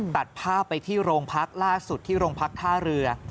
ตัดภาพไปที่โรงพักล่าสุดที่โรงพักท่าเรือ